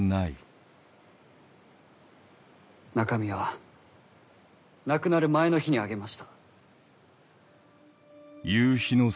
中身は亡くなる前の日にあげました。